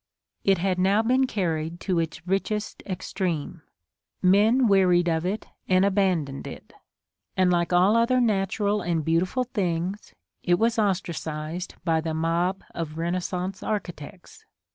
It had now been carried to its richest extreme: men wearied of it and abandoned it, and like all other natural and beautiful things, it was ostracised by the mob of Renaissance architects.